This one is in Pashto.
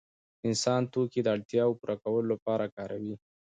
انسان توکي د اړتیاوو پوره کولو لپاره کاروي.